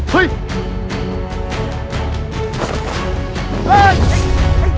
เฮ้ยโตเก